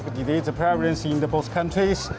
kami juga menghadapi masalah penyakit kardiologis